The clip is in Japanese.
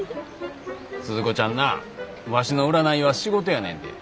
鈴子ちゃんなワシの占いは仕事やねんで。